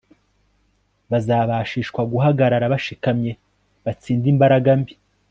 bazabashishwa guhagaraga bashikamye batsinde imbaraga mbi